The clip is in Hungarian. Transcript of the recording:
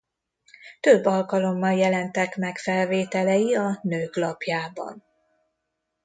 Több alkalommal jelentek meg felvételei a Nők lapjában.